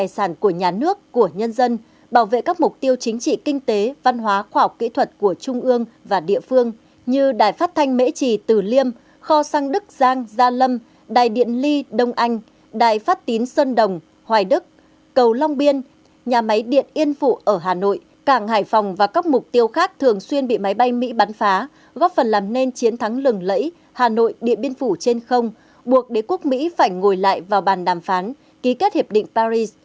sản của nhà nước của nhân dân bảo vệ các mục tiêu chính trị kinh tế văn hóa khoa học kỹ thuật của trung ương và địa phương như đài phát thanh mễ trì từ liêm kho sang đức giang gia lâm đài điện ly đông anh đài phát tín sơn đồng hoài đức cầu long biên nhà máy điện yên phụ ở hà nội cảng hải phòng và các mục tiêu khác thường xuyên bị máy bay mỹ bắn phá góp phần làm nên chiến thắng lừng lẫy hà nội địa biên phủ trên không buộc đế quốc mỹ phải ngồi lại vào bàn đàm phán ký kết hiệp định paris